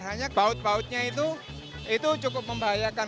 hanya baut bautnya itu cukup membahayakan